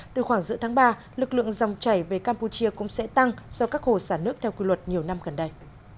từ khoảng giữa tháng ba lực lượng dòng chảy về campuchia cũng sẽ tăng do các hồ xả nước theo quy luật nhiều năm gần đây